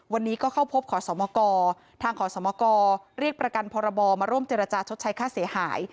วันนี้ก็เข้าพบขอสมกทางขอสมกรเรียกประกันพรบมาร่วมเจรจาชดใช้ค่าเสียหาย